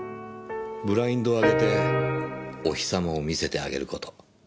ブラインドを開けてお日様を見せてあげる事。